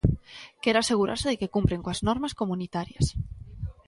Quere asegurarse de que cumpren coas normas comunitarias.